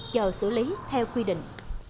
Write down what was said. giờ xử lý theo quy định